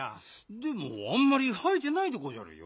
でもあんまりはえてないでごじゃるよ。